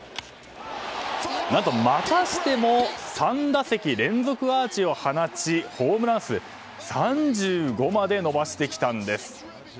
何と、またしても３打席連続アーチを放ちホームラン数３５まで伸ばしてきたんです。